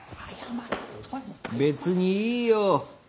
別にいいよ。